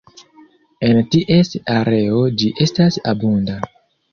En ties areo ĝi estas abunda.